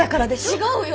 違うよ。